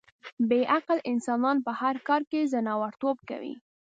بې عقل انسانان په هر کار کې ځناورتوب کوي.